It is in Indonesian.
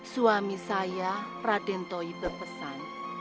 suami saya raden toy berpesan